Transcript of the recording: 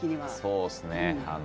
そうですね。